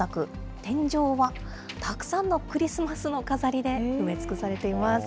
天井はたくさんのクリスマスの飾りで埋め尽くされています。